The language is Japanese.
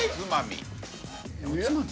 「おつまみ」。